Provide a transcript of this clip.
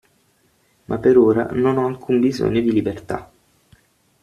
Ma per ora non ho alcun bisogno di libertà.